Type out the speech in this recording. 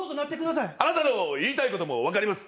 あなたの言いたいことも分かります。